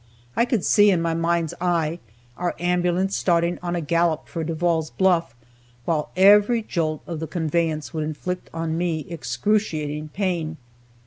I could see, in my mind's eye, our ambulance starting on a gallop for Devall's Bluff, while every jolt of the conveyance would inflict on me excruciating pain.